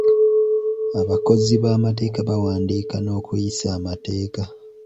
Abakozi b'amateeka bawandiika n'okuyisa amateeka.